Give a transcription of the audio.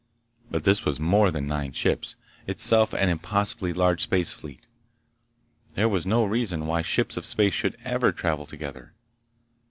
But this was more than nine ships—itself an impossibly large space fleet. There was no reason why ships of space should ever travel together.